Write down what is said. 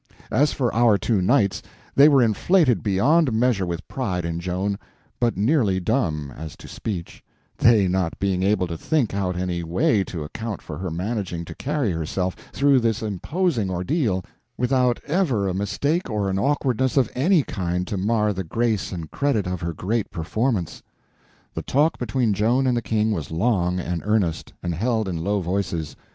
As for our two knights, they were inflated beyond measure with pride in Joan, but nearly dumb, as to speech, they not being able to think out any way to account for her managing to carry herself through this imposing ordeal without ever a mistake or an awkwardness of any kind to mar the grace and credit of her great performance. The talk between Joan and the King was long and earnest, and held in low voices.